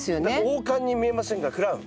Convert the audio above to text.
王冠に見えませんがクラウン。